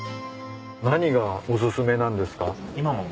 何がお薦めなんですか？